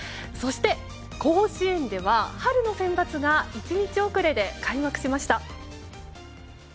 そして、甲子園では春のセンバツが１日遅れで開幕しました。